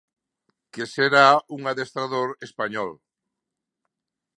Que será un adestrador español.